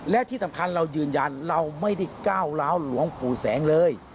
และที่สำคัญเรายืนยันเราไม่ได้ก้าวร้าวหลวงปู่แสงเลย